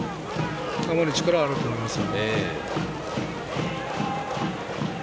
球に力があると思います。